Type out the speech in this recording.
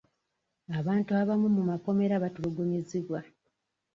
Abantu abamu mu makomera batulugunyizibwa.